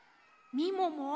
みもも